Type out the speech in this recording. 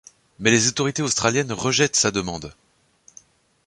Mais les autorités australiennes rejettent sa demande.